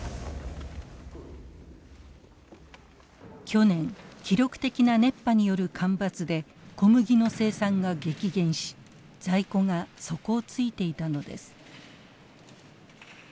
去年記録的な熱波による干ばつで小麦の生産が激減し在庫が底をついていたのです。